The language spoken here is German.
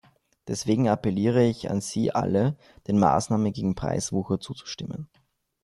Deswegen appelliere ich an Sie alle, den Maßnahmen gegen Preiswucher zuzustimmen.